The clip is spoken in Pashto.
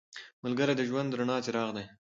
ملګری د ژوند د رڼا څراغ دی